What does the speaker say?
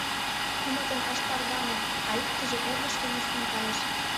Кумытын ыштат тарване, а иктыже ӧрдыжкӧ нушкын кайыш.